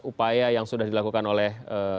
upaya yang sudah dilakukan oleh